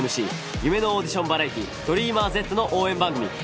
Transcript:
『夢のオーディションバラエティーＤｒｅａｍｅｒＺ』の応援番組。